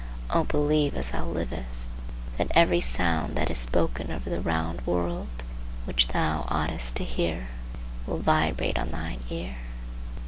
O, believe, as thou livest, that every sound that is spoken over the round world, which thou oughtest to hear, will vibrate on thine ear!